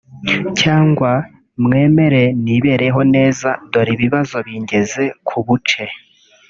Cyangwa mwemere nibereho neza dore ibibazo bingeze ku buce